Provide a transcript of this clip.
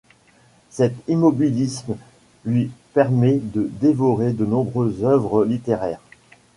Cet immobilisme lui permet de dévorer de nombreuses œuvres littéraires.